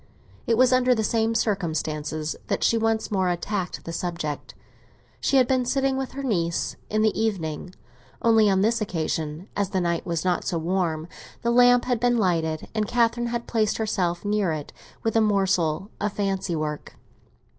It was under the same circumstances that she once more attacked the subject. She had been sitting with her niece in the evening; only on this occasion, as the night was not so warm, the lamp had been lighted, and Catherine had placed herself near it with a morsel of fancy work.